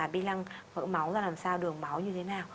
bi lăng mỡ máu ra làm sao đường máu như thế nào